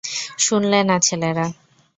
শুনলে না ছেলেরা!